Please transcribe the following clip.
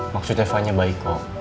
maksudnya fahnya baik